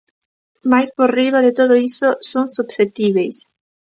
Mais por riba de todo iso, son susceptíbeis.